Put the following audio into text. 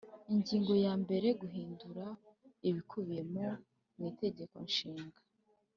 Ingingo ya mbere Guhindura ibikubiyemo mwitegeko nshinga